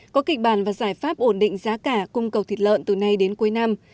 có kịch bản và giải pháp ổn định giá cả cung cầu thịt lợn từ nay đến cuối năm